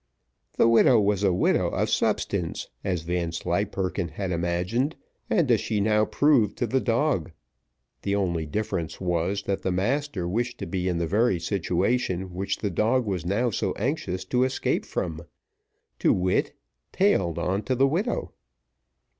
The widow was a widow of substance, as Vanslyperken had imagined, and as she now proved to the dog the only difference was, that the master wished to be in the very situation which the dog was now so anxious to escape from to wit, tailed on to the widow.